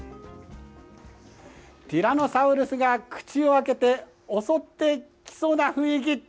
ティラノサウルスが、口を開けて襲ってきそうな雰囲気。